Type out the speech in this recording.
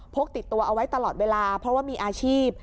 กติดตัวเอาไว้ตลอดเวลาเพราะว่ามีอาชีพ